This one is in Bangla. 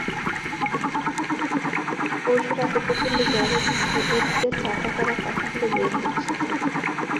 পরশু রাতে প্রচণ্ড জ্বরের মুখে অতীতের চাপা-পড়া কথাগুলো বের হয়ে এসেছে।